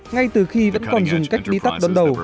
ngay từ khi vẫn còn dùng cách đi tắt đón đầu